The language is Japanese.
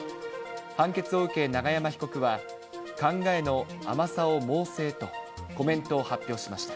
判決を受け、永山被告は、考えの甘さを猛省とコメントを発表しました。